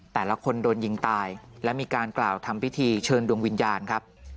แต่ละคนโดนยิงตายและมีการกล่าวทำพิธีเชิญดวงวิญญาณครับ